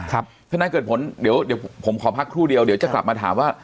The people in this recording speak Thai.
ครับถ้าน่าเกิดผลเดี๋ยวเดี๋ยวผมขอพักครู่เดียวเดี๋ยวจะกลับมาถามว่า